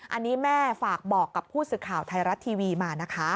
อันนี้แม่ฝากบอกกับผู้สื่อข่าวไทยรัฐทีวีมานะคะ